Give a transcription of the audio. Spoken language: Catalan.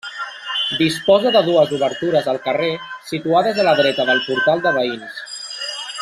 Disposa de dues obertures al carrer situades a la dreta del portal de veïns.